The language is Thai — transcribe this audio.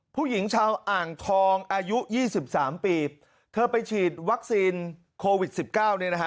ผู้หญิงชาวอ่างทองอายุยี่สิบสามปีเธอไปฉีดวัคซีนโควิดสิบเก้าเนี่ยนะฮะ